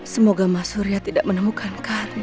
semoga mas surya tidak menemukan kami